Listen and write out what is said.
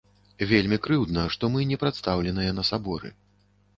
Вельмі крыўдна, што мы не прадстаўленыя на саборы.